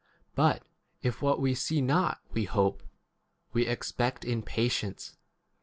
But if what we see not we hope, c we 26 expect in patience.